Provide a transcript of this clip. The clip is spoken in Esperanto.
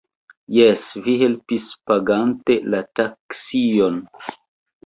Jes, vi helpis pagante la taksion